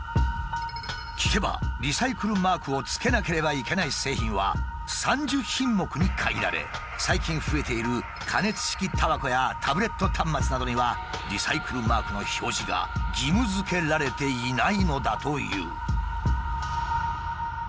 聞けばリサイクルマークをつけなければいけない製品は３０品目に限られ最近増えている加熱式タバコやタブレット端末などにはリサイクルマークの表示が義務づけられていないのだという。